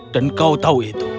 dan kau tahu itu